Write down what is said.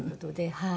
はい。